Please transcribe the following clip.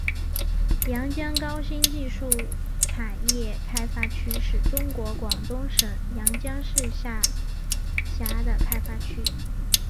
阳江高新技术产业开发区是中国广东省阳江市下辖的开发区。